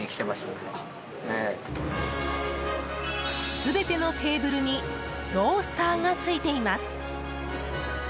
全てのテーブルにロースターがついています。